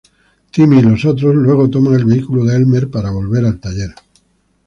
Timmy y los otros luego toman el vehículo de Elmer para volver al taller.